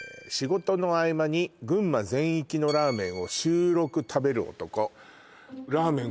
仕事の合間に群馬全域のラーメンを週６食べる男